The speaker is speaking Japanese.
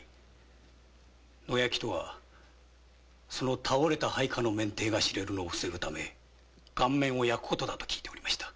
野焼きとは倒れた配下の面体が知れるのを防ぐためその顔面を焼く事だと聞いておりました。